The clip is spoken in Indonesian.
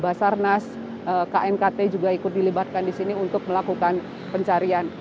basarnas knkt juga ikut dilibatkan di sini untuk melakukan pencarian